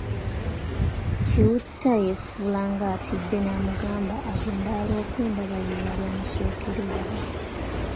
Kiwutta yefuula ng’atidde namugamba agende aloope ndaba yeeyali amusookerezza.